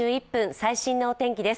最新のお天気です